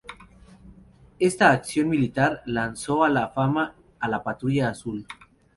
Esta acción militar lanzó a la fama a la Patrulla Azul.